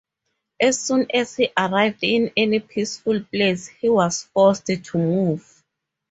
As soon as he arrived in any peaceful place, he was forced to move.